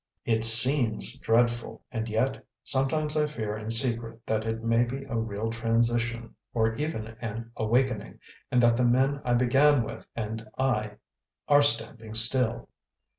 It SEEMS dreadful, and yet sometimes I fear in secret that it may be a real transition, or even an awakening, and that the men I began with, and I, are standing still.